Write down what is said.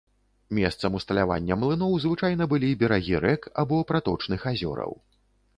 Месцам усталявання млыноў звычайна былі берагі рэк або праточных азёраў.